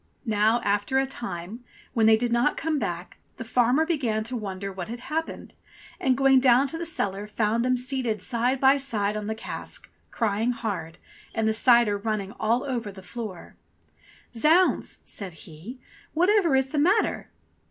Now after a time, when they did not come back, the farmer began to wonder what had happened, and going down to the cellar found them seated side by side on the cask, crying hard, and the cider running all over the floor. "Zounds !" says he, "whatever is the matter